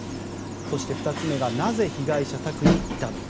そして２つ目がなぜ被害者宅にいたのか。